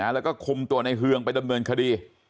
แล้วก็คุมตัวในเฮืองไปดำเนินคดี